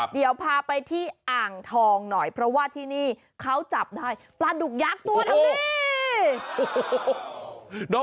เดี๋ยวพาไปที่อ่างทองหน่อยเพราะว่าที่นี่เขาจับได้ปลาดุกยักษ์ตัวหนึ่ง